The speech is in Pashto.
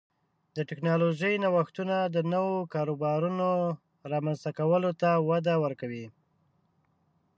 د ټکنالوژۍ نوښتونه د نوو کاروبارونو رامنځته کولو ته وده ورکوي.